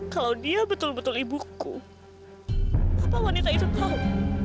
kalau dia betul betul ibuku apa wanita itu tahu